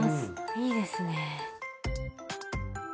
いいですね。